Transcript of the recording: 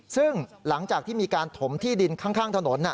ซึ่งหลังจากที่มีการถมที่ดินข้างถนน